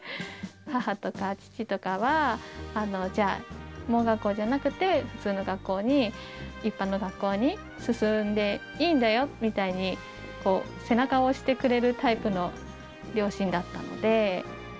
母とか父とかは、じゃあ盲学校じゃなくて、普通の学校に、一般の学校に進んでいいんだよみたいに、背中を押してくれるタイプの両親だったので。